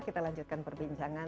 kita lanjutkan perbincangan